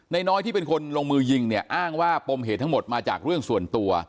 น้อยที่เป็นคนลงมือยิงเนี่ยอ้างว่าปมเหตุทั้งหมดมาจากเรื่องส่วนตัว